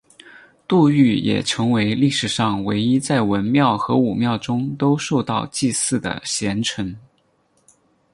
杜预也成为历史上唯一在文庙和武庙中都受到祭祀的贤臣。